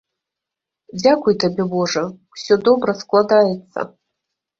Дзякуй табе, божа, усё добра складаецца.